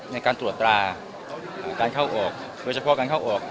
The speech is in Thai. มีการที่จะพยายามติดศิลป์บ่นเจ้าพระงานนะครับ